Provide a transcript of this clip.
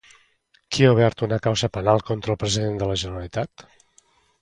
Qui ha obert una causa penal contra el president de la Generalitat?